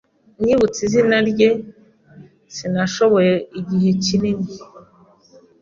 Nibutse izina rye, sinashoboye igihe kinini.